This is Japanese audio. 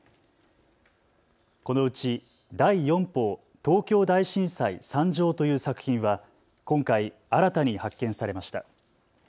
このうち第四報東京大震災惨状という作品は今回、新たに発見されました。